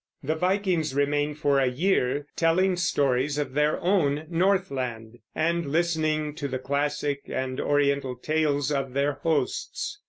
The Vikings remain for a year, telling stories of their own Northland, and listening to the classic and Oriental tales of their hosts.